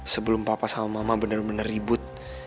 sebelum papa sama mama bener bener ribut